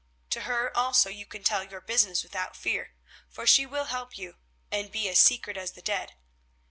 To her also you can tell your business without fear, for she will help you, and be as secret as the dead.